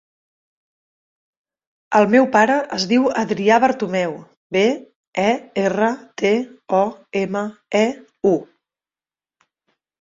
El meu pare es diu Adrià Bertomeu: be, e, erra, te, o, ema, e, u.